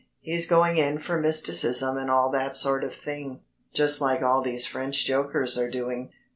He's going in for mysticism and all that sort of thing just like all these French jokers are doing.